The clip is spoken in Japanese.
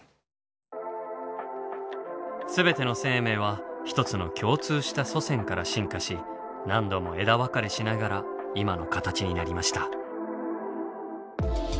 全ての生命は１つの共通した祖先から進化し何度も枝分かれしながら今の形になりました。